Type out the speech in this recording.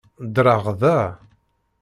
Ddreɣ da.